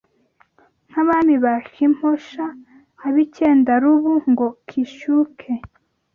Nk’Abami ba Kimposha Ab’icyendarubu ngo kishyuke